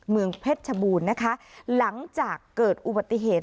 เพชรชบูรณ์นะคะหลังจากเกิดอุบัติเหตุ